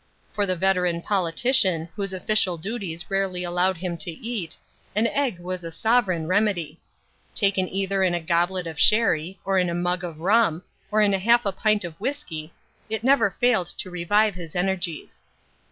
For the veteran politician, whose official duties rarely allowed him to eat, an egg was a sovereign remedy. Taken either in a goblet of sherry or in a mug of rum, or in half a pint of whisky, it never failed to revive his energies.